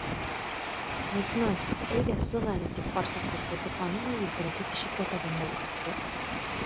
Лейтенант, әйҙә, сыҡ әле, тип ҡарсыҡты ҡултыҡланы ла елтерәтеп ишеккә табан алып китте.